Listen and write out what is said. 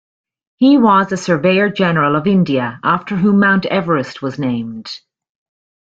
He was a Surveyor-General of India, after whom Mount Everest was named.